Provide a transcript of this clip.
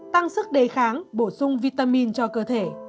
tăng sức đề kháng bổ sung vitamin cho cơ thể